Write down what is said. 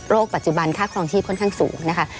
ปัจจุบันค่าครองชีพค่อนข้างสูงนะคะ